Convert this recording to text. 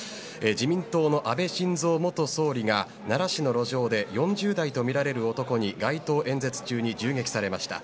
自民党の安倍晋三元総理が奈良市の路上で４０代とみられる男に街頭演説中に銃撃されました。